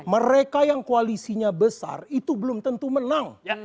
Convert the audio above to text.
mereka yang koalisinya besar itu belum tentu menang